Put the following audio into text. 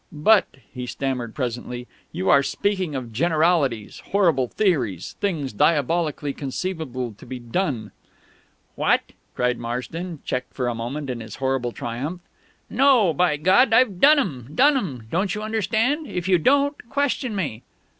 "But," he stammered presently, "you are speaking of generalities horrible theories things diabolically conceivable to be done " "What?" cried Marsden, checked for a moment in his horrible triumph. "No, by God! I've done 'em, done 'em! Don't you understand? If you don't, question me!..."